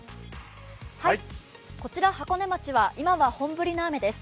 こちら箱根町は今は本降りの雨です。